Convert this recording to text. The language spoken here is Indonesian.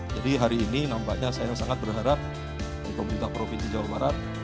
jadi hari ini nampaknya saya sangat berharap untuk pemerintah provinsi jawa barat